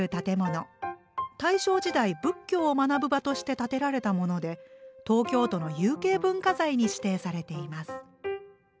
大正時代仏教を学ぶ場として建てられたもので東京都の有形文化財に指定されています。